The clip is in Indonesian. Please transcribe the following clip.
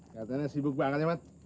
katanya sibuk banget ya mas